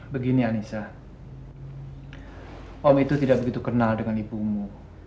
begini anissa om itu tidak begitu kenal dengan ibumu